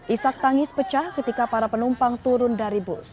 isak tangis pecah ketika para penumpang turun dari bus